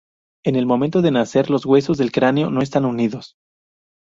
En el momento de nacer, los huesos del cráneo no están unidos.